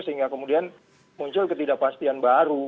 sehingga kemudian muncul ketidakpastian baru